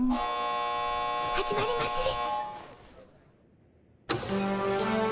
始まりまする。